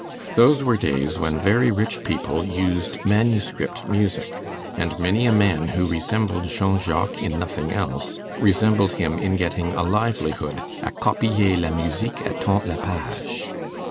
Those were days when very rich people used manuscript music, and many a man who resembled Jean Jacques in nothing else, resembled him in getting a livelihood 'à copier la musique à tant la page'.